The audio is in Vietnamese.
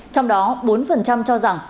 trong đó bốn cho rằng